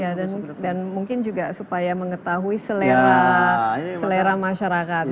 ya dan mungkin juga supaya mengetahui selera masyarakat